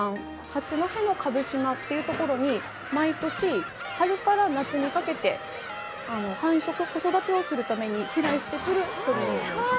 八戸の蕪島っていうところに毎年春から夏にかけて繁殖子育てをするために飛来してくる鳥なんです。